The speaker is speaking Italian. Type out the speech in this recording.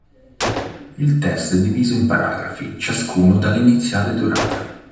Il testo è diviso in paragrafi, ciascuno dall'iniziale dorata.